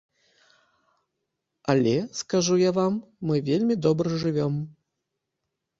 Але, скажу я вам, мы вельмі добра жывём.